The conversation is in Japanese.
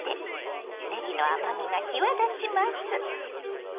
ねぎの甘みが際立ちます。